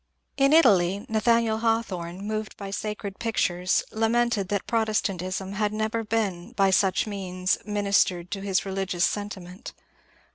In Italy Nathaniel Hawthorne, moved by sacred pictures, lamented that Protestantism had never by such means minis tered to his religious sentiment.